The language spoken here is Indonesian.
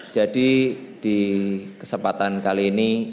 jadi di kesempatan kali ini